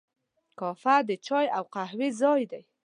کافه د چای او قهوې ځای دی.